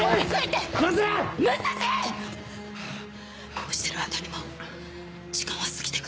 こうしてる間にも時間は過ぎてく。